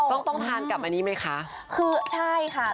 ต้องต้องทานกับอันนี้ไหมคะคือใช่ค่ะ